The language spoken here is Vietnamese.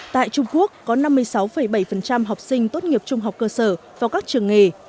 tại trung quốc có năm mươi sáu bảy học sinh tốt nghiệp trung học cơ sở vào các trường nghề